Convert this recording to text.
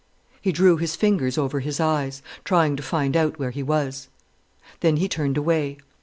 He drew his fingers over his eyes, trying to find out where he was. Then he turned away.